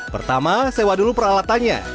pertama sewa dulu peralatannya